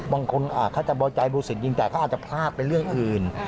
บางคนเขาจะเบาใจดูสิตยิงแต่เขาอาจจะพลาดไปเรื่องอื่น